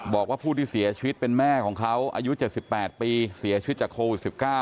บอกว่าผู้ที่เสียชีวิตเป็นแม่ของเขาอายุ๗๘ปีเสียชีวิตจากโควิด๑๙